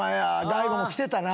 大悟も着てたな。